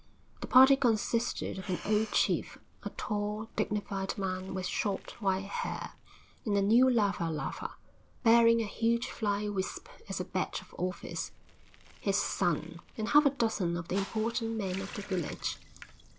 The party consisted of an old chief, a tall, dignified man with short, white hair, in a new lava lava, bearing a huge fly wisp as a badge of office, his son, and half a dozen of the important men of the village.